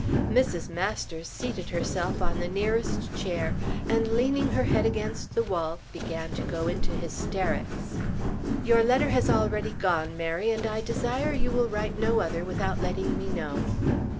Mrs. Masters seated herself on the nearest chair and leaning her head against the wall, began to go into hysterics. "Your letter has already gone, Mary; and I desire you will write no other without letting me know."